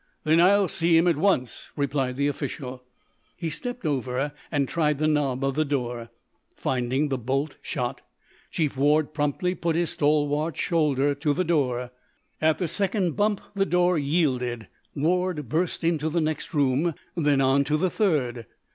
"Then I'll see him at once," replied the official. He stepped over and tried the knob of the door. Finding the bolt shot, Chief Ward promptly put his stalwart shoulder to the door. At the second bump the door yielded. Ward burst into the next room, then on to the third.